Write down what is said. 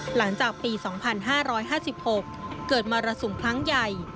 หลังจากปี๒๕๕๖เกิดมรสุมครั้งใหญ่